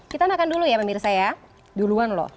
kita makan dulu ya pak mirsa ya duluan loh